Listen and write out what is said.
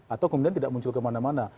atau kemudian tidak muncul kemana mana